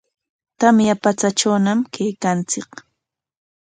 Tamya patsatrawñam kaykanchik.